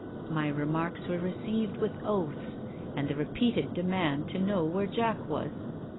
" My remarks were received with oaths, and the repeated demand to know where Jack was.